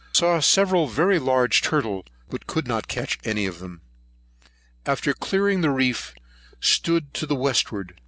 Saw several very large turtle, but could not catch any of them. After clearing the reef, stood to the westward.